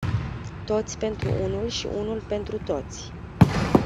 Toți pentru unul și unul pentru toți.